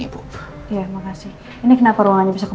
oh jangan juga dosang